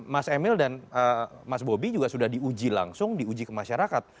mas emil dan mas bobi juga sudah diuji langsung diuji ke masyarakat